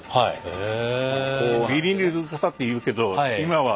へえ。